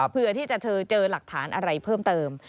เพื่อที่จะเธอเจอหลักฐานอะไรเพิ่มเติม